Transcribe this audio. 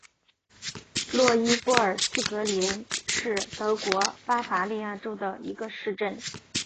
洛伊波尔茨格林是德国巴伐利亚州的一个市镇。